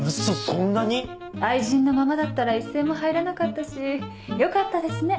そんなに⁉愛人のままだったら一銭も入らなかったしよかったですね